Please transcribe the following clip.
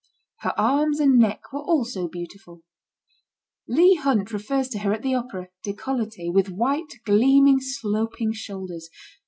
Her arms and neck were also beautiful. Leigh Hunt refers to her at the opera, decolletee, vriih white, gleaming, sloping shoulders.